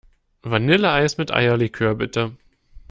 Vanilleeis mit Eierlikör, bitte.